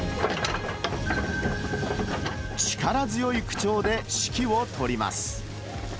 力強い口調で指揮を執ります。